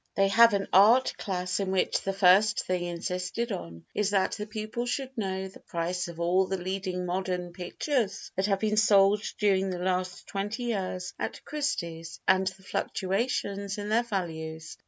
They have an art class in which the first thing insisted on is that the pupils should know the price of all the leading modern pictures that have been sold during the last twenty years at Christie's, and the fluctuations in their values.